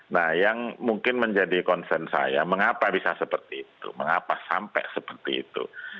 nah yang mungkin menjadi concern saya mengapa bisa seperti itu mengapa sampai seperti itu